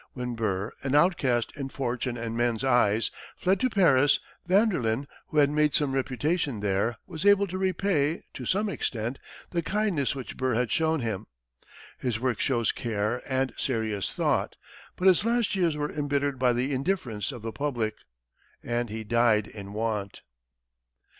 When Burr, an outcast in fortune and men's eyes, fled to Paris, Vanderlyn, who had made some reputation there, was able to repay, to some extent, the kindness which Burr had shown him. His work shows care and serious thought, but his last years were embittered by the indifference of the public, and he died in want.